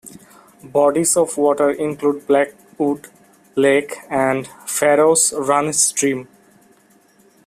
Bodies of water include Blackwood Lake and Farrows Run stream.